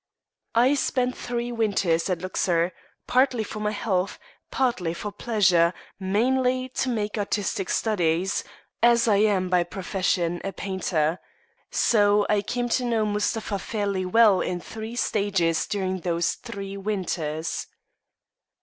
I spent three winters at Luxor, partly for my health, partly for pleasure, mainly to make artistic studies, as I am by profession a painter. So I came to know Mustapha fairly well in three stages, during those three winters.